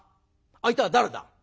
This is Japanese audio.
相手は誰だ？